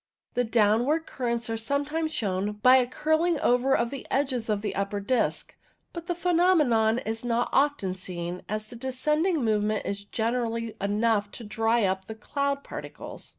The downward currents are sometimes shown by a curling over of the edges of the upper disc, but the phenomenon is not often seen, as the descending movement is generally enough to dry up the cloud particles.